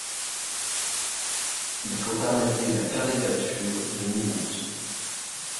Il faut arrêter la caricature deux minutes